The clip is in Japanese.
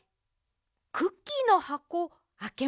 クッキーのはこあけましょうか。